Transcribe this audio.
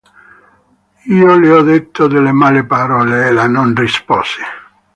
Io le ho detto delle male parole: ella non rispose.